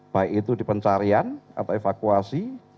baik itu di pencarian atau evakuasi